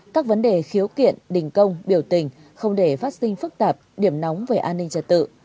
các vấn đề khiếu kiện đình công biểu tình không để phát sinh phức tạp điểm nóng về an ninh trật tự